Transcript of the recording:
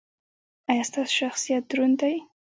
ایا ستاسو شخصیت دروند دی؟